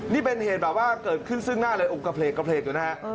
นี่เป็นเหตุแบบว่าเกิดขึ้นซึ่งหน้าเลยอุกกระเพลกกระเพลกอยู่นะฮะ